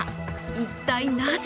一体なぜ？